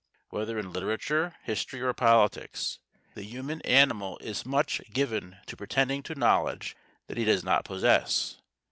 Whether in literature, history, or politics, the human animal is much given to pretending to knowledge that he does not possess.